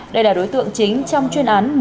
đây là đối tượng chính trong chuyên án